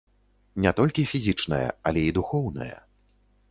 Не толькі фізічная, але і духоўная.